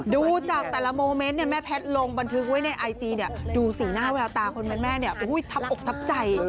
ดูจากแต่ละโมเมนต์แม่แพทย์ลงบันทึกไว้ในไอจีดูสีหน้าเวลาตาคนแม่อุ้ยทับอกทับใจ